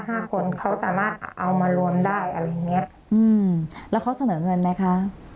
ห้าคนเขาสามารถเอามารวมได้อะไรอย่างเงี้ยอืมแล้วเขาเสนอเงินไหมคะ